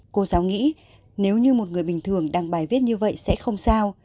cô giáo nghĩ nếu như một người bình thường đăng bài viết như vậy sẽ không sao